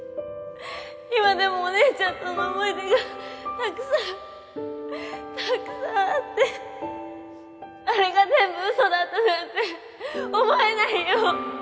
今でもお姉ちゃんとの思い出がたくさんたくさんあってあれが全部嘘だったなんて思えないよ